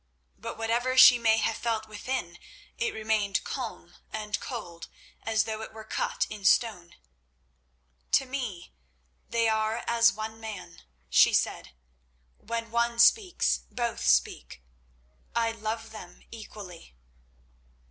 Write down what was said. But whatever she may have felt within, it remained calm and cold as though it were cut in stone. "To me they are as one man," she said. "When one speaks, both speak. I love them equally."